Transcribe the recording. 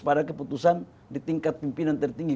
pada keputusan di tingkat pimpinan tertinggi